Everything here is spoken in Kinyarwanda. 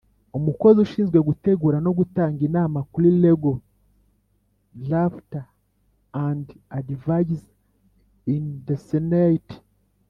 Umukozi ushinzwe Gutegura no Gutanga Inama ku Legal Drafter and Advisor in the Senate